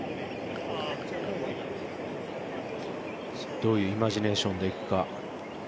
どういうイマジネーションでいくか。